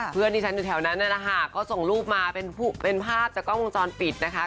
เพื่อนดิฉันอยู่แถวนั้นนะคะก็ส่งรูปมาเป็นภาพจากกล้องมุมจรปิดนะคะ